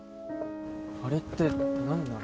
あれって何なの？